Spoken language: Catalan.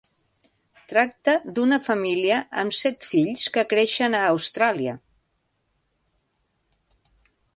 Tracta d'una família amb set fills que creixen a Austràlia.